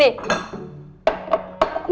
nih kayak begini